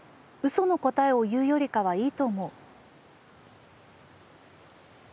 その答えを言うよりかはいいと思う。